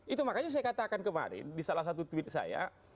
itu makanya saya katakan kemarin di salah satu tweet saya